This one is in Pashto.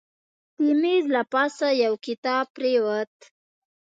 د میز له پاسه یو کتاب پرېوت.